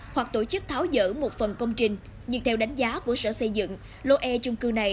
hoặc tổ chức tháo dỡ một phần công trình nhưng theo đánh giá của sở xây dựng lô e trung cư này